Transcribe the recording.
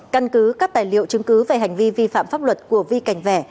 căn cứ các tài liệu chứng cứ về hành vi vi phạm pháp luật của vi cảnh vẻ